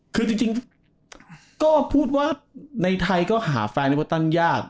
คือจริงก็พูดว่าในไทยก็หาแฟนลิเวอร์ตันยาก